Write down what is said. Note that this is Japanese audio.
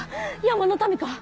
山の民か？